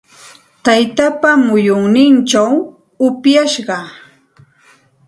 Taytaapa muyunninchaw upyashaq.